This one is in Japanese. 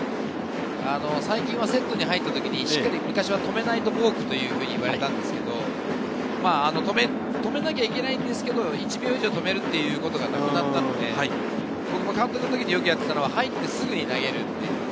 最近はセットに入った時に昔は止めないとボークといわれたんですけれど、止めなきゃいけないんですけれど、１秒以上止めるということではなくなったので、僕が監督の時にやっていたのは、入ってすぐ投げる。